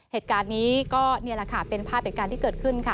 เหตุการณ์นี้ก็นี่แหละค่ะเป็นภาพเหตุการณ์ที่เกิดขึ้นค่ะ